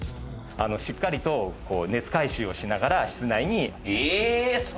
しっかりと熱回収をしながら室内に。